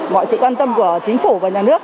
mọi sự quan tâm của chính phủ và nhà nước